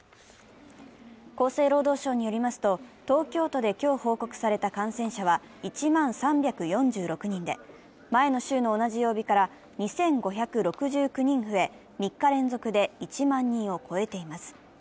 厚生労働省によりますと、東京都で今日報告された感染者は１万３４６人で、前の週の同じ曜日から２５６９人増え３日連続で１万人を超えています。